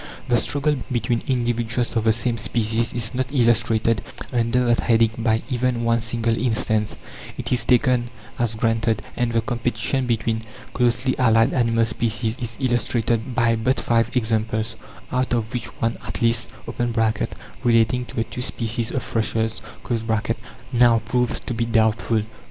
The struggle between individuals of the same species is not illustrated under that heading by even one single instance: it is taken as granted; and the competition between closely allied animal species is illustrated by but five examples, out of which one, at least (relating to the two species of thrushes), now proves to be doubtful.